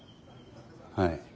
はい。